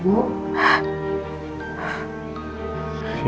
oke dengan kawan saya